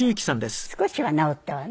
少しは直ったわね。